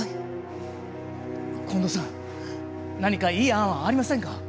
近藤さん何かいい案はありませんか？